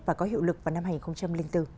và có hiệu lực vào năm hai nghìn bốn